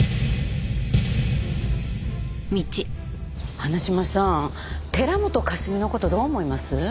花島さん寺本香澄の事どう思います？